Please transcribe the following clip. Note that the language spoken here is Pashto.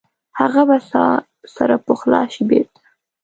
هغه به ساه سره پخلا شي بیرته؟